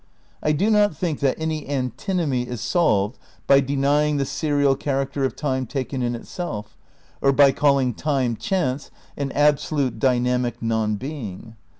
I do not think that any antinomy is solved by denying the serial character of time taken in itself, or by calling time "chance" and "absolute, dynamic non being."